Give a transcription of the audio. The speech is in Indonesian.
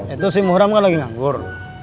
itu si muhram kan lagi nganggur